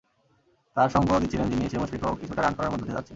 তাঁকে সঙ্গ দিচ্ছিলেন যিনি, সেই মুশফিকও কিছুটা রানখরার মধ্য দিয়ে যাচ্ছেন।